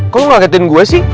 kok lo ngelaketin gue sih